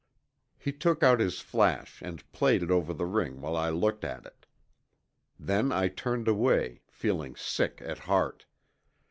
He took out his flash and played it over the ring while I looked at it. Then I turned away, feeling sick at heart.